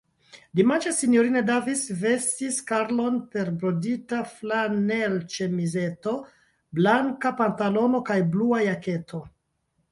Dimanĉe S-ino Davis vestis Karlon per brodita flanelĉemizeto., blanka pantalono kaj blua jaketo.